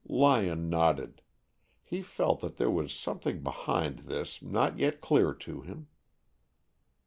Lyon nodded. He felt that there was something behind this not yet clear to him.